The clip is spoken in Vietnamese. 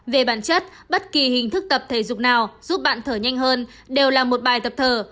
về bản chất bất kỳ hình thức tập thể dục nào giúp bạn thở nhanh hơn đều là một bài tập thở